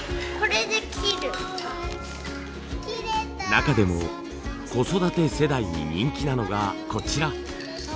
中でも子育て世代に人気なのがこちら。